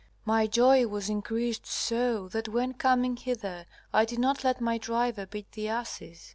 My joy was increased so that when coming hither I did not let my driver beat the asses.